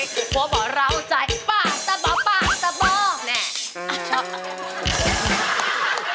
ตึดขวบ่ะเราจัยปากตะปากปากตะบอเลย